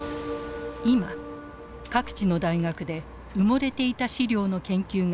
今各地の大学で埋もれていた資料の研究が進んでいます。